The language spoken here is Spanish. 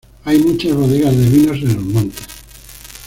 Hay muchas bodegas de vinos en los montes.